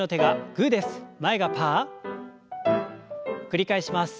繰り返します。